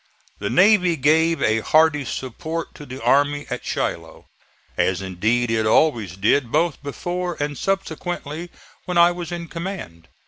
The navy gave a hearty support to the army at Shiloh, as indeed it always did both before and subsequently when I was in command.